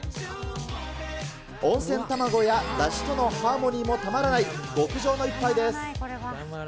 温泉卵やだしとのハーモニーもたまらない、極上の一杯です。